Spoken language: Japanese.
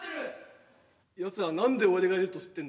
やつは何で俺がいると知ってるんだ？